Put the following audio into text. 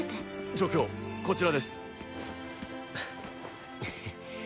助教こちらです。